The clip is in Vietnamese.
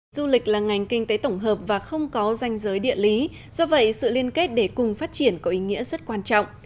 du lịch là ngành kinh tế tổng hợp và không có danh giới địa lý do vậy sự liên kết để cùng phát triển có ý nghĩa rất quan trọng